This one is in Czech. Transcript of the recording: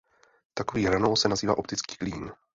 Takový hranol se nazývá optický klín.